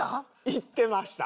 いってました。